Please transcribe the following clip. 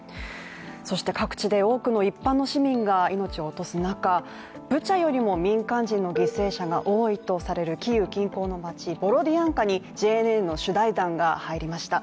そして各地で多くの一般の市民が命を落とす中ブチャよりも民間人の犠牲者が多いとされるキーウ近郊の街、ボロディアンカにＪＮＮの取材団が入りました。